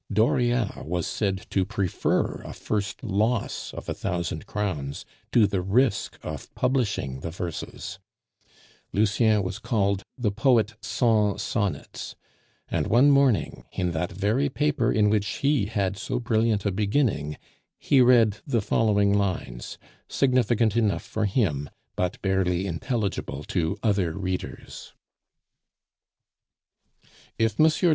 Dauriat was said to prefer a first loss of a thousand crowns to the risk of publishing the verses; Lucien was called "the Poet sans Sonnets;" and one morning, in that very paper in which he had so brilliant a beginning, he read the following lines, significant enough for him, but barely intelligible to other readers: "If M.